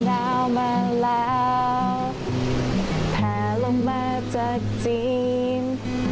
เหนามาแล้วแผลลงมาจากจีน